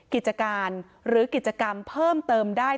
กิจการหรือกิจกรรมเพิ่มเติมได้